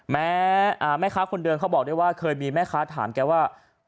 แม่ค้าคนเดิมเขาบอกได้ว่าเคยมีแม่ค้าถามแกว่า